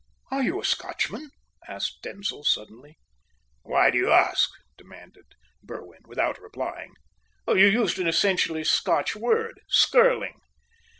"Are you a Scotchman?" asked Denzil suddenly. "Why do you ask?" demanded Berwin, without replying. "You used an essentially Scotch word 'skirling.'"